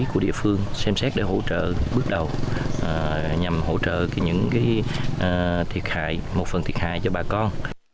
của địa phương xem xét để hỗ trợ bước đầu nhằm hỗ trợ những thiệt hại một phần thiệt hại cho bà con